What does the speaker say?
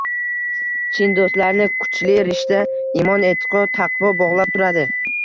Chin do‘stlarni kuchli rishta – imon, e’tiqod, taqvo bog‘lab turadi.